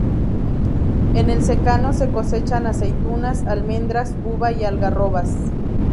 En el secano se cosechan aceitunas, almendras, uva y algarrobas.